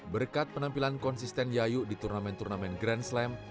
berkat penampilan konsisten yayu di turnamen turnamen grand slam